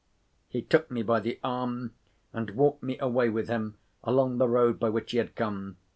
He took me by the arm, and walked me away with him along the road by which he had come.